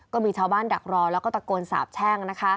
ก็มีชาวบ้านดักรอแล้วก็ตะโกนสาบแช่งนะคะ